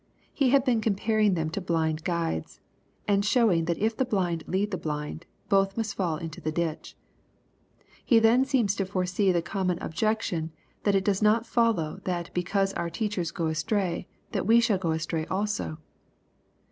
He had been comparing them to blind guides, and showing that if the blind lead the blind, "both must fall into the ditch." He then seems to foresee the common objection that it does not follow that because our teachers go astray that we shall go astray also.